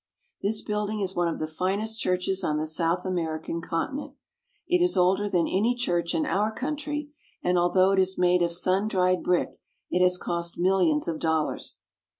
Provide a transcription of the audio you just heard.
This building is one of the finest churches on the South American continent. It is older than any church in our country, and although it is made of sun dried brick, it has cost millions of dollars.